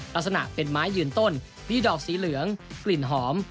ลักษณะเป็นไม้ยืนต้นมีดอกสีเหลืองกลิ่นหอม